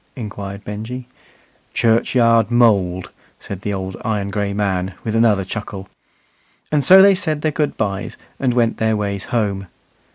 inquired Benjy. "Churchyard mould," said the old iron gray man, with another chuckle. And so they said their good byes and went their ways home.